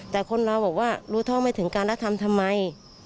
แต่คนเราบอกว่ารู้เท่าไม่ถึงการกระทำทำไม